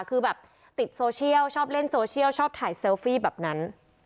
คือแบบติดโซเชียลชอบเล่นโซเชียลชอบถ่ายเซลฟี่แบบนั้น